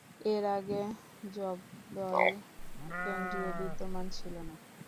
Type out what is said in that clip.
এর আগে, জগদ্দল কেন্দ্রটি বিদ্যমান ছিল না।